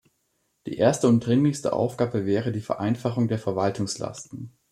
Die erste und dringlichste Aufgabe wäre die Vereinfachung der Verwaltungslasten.